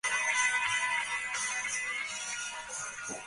এ দুর্ঘটনার কারণ খতিয়ে দেখতে কর্তৃপক্ষ একটি তদন্ত কমিটি গঠন করেছে।